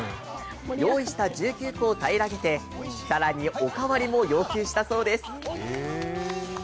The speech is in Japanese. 用意した１９個を平らげて更におかわりも要求したそうです。